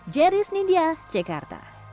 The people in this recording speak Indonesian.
jeris nidia jakarta